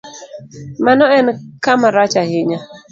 Mano en kama rach ahinya